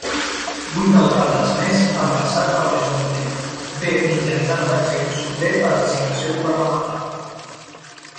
Vuit alcaldes més han passat per l'ajuntament, bé mitjançant eleccions, bé per designació governamental.